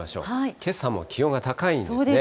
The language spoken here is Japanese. けさも気温が高いんですね。